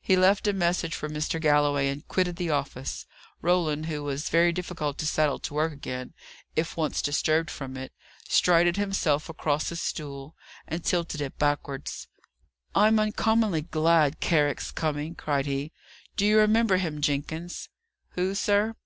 He left a message for Mr. Galloway, and quitted the office. Roland, who was very difficult to settle to work again, if once disturbed from it, strided himself across his stool, and tilted it backwards. "I'm uncommonly glad Carrick's coming!" cried he. "Do you remember him, Jenkins?" "Who, sir?"